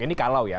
ini kalau ya